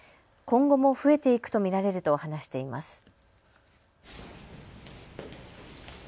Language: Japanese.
今後も増えていくと見られると話しています。